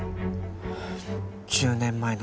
１０年前の事件